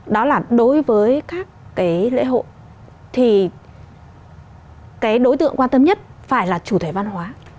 đó là đối với các cái lễ hội thì cái đối tượng quan tâm nhất phải là chủ thể văn hóa